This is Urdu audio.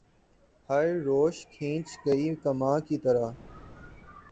ہر روش کھنچ گئی کماں کی طرح